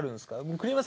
栗山さん